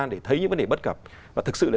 để thấy những vấn đề bất cập và thực sự là